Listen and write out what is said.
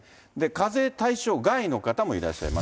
課税対象外の方もいらっしゃいま